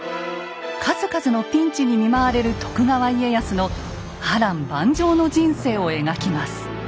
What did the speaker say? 数々のピンチに見舞われる徳川家康の波乱万丈の人生を描きます。